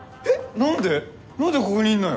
何でここにいんのよ？